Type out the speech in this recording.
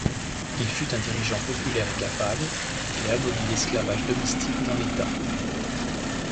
Il fut un dirigeant populaire et capable, et abolit l'esclavage domestique dans l'État.